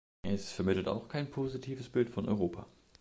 Es vermittelt auch kein positives Bild von Europa.